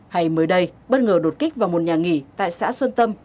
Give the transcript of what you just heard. hay mới đây bất ngờ đột kích vào một nhà nghỉ tại xã xuân tâm